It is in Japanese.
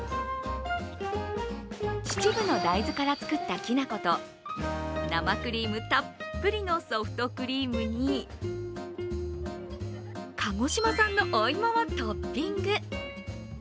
秩父の大豆から作ったきなこと生クリームたっぷりのソフトクリームに鹿児島産のお芋をトッピング。